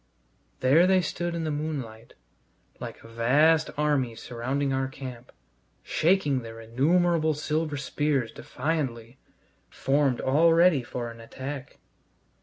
There they stood in the moonlight, like a vast army surrounding our camp, shaking their innumerable silver spears defiantly, formed all ready for an attack.